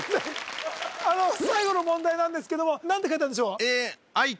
最後の問題なんですけども何て書いたんでしょうえっ